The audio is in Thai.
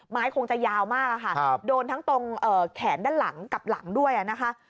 คงจะยาวมากค่ะโดนทั้งตรงแขนด้านหลังกับหลังด้วยนะคะ